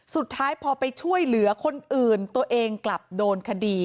สุดท้ายพอไปช่วยเหลือคนอื่นตัวเองกลับโดนคดี